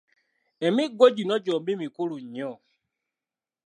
Emiggo gino gyombi mikulu nnyo.